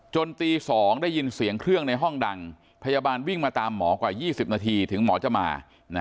ตี๒ได้ยินเสียงเครื่องในห้องดังพยาบาลวิ่งมาตามหมอกว่า๒๐นาทีถึงหมอจะมา